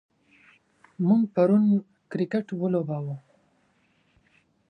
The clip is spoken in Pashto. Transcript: موږ پرون کرکټ ولوباوه.